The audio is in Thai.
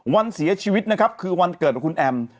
วันเสียชีวิตนะครับคือวันเกิดของคุณแอม